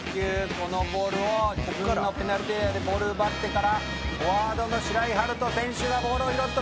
このボールを自分のペナルティエリアでボール奪ってからフォワードの白井陽斗選手がボールを拾った。